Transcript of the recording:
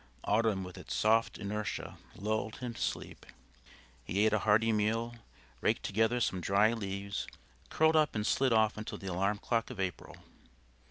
Autumn with its soft inertia lulled him to sleep. He ate a hearty meal, raked together some dry leaves, curled up and slid off until the alarm clock of April.